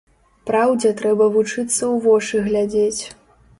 Праўдзе трэба вучыцца ў вочы глядзець.